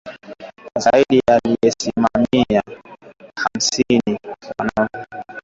Zaidi ya asilimia hamsini ya wanyama ambao hawajawahi kuugua homa ya mapafu